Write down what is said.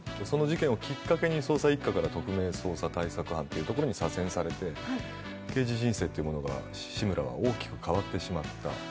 その事件をきっかけに捜査一課から特命捜査対策班というところに左遷されて刑事人生というものが大きく変わってしまった、